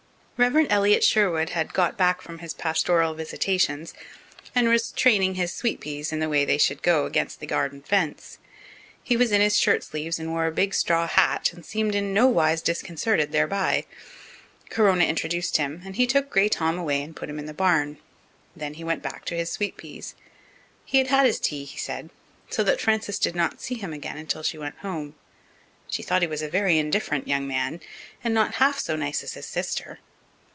Rev. Elliott Sherwood had got back from his pastoral visitations, and was training his sweet peas in the way they should go against the garden fence. He was in his shirt sleeves and wore a big straw hat, and seemed in nowise disconcerted thereby. Corona introduced him, and he took Grey Tom away and put him in the barn. Then he went back to his sweet peas. He had had his tea, he said, so that Frances did not see him again until she went home. She thought he was a very indifferent young man, and not half so nice as his sister.